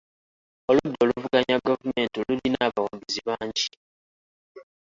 Oludda oluvuganya gavumenti lulina abawagizi bangi.